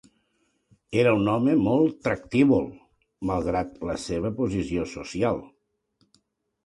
Era un home molt tractívol, malgrat la seva posició social.